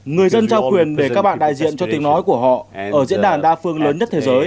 người dân trao quyền để các bạn đại diện cho tiếng nói của họ ở diễn đàn đa phương lớn nhất thế giới